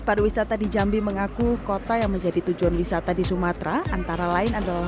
pariwisata di jambi mengaku kota yang menjadi tujuan wisata di sumatera antara lain adalah